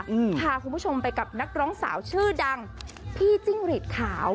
ขาดการกับคุณผู้ชมนักร้องสาวชื่อดังพี่จิ้งหรีดขาว